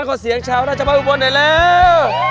ก็เสียงชาวน่าจะไปอุบวนไหนแล้ว